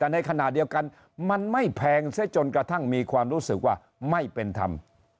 แต่ในขณะเดียวกันมันไม่แพงเสียจนกระทั่งมีความรู้สึกว่าไม่เป็นธรรม